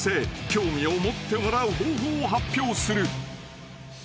［興味を持ってもらう方法を発表する］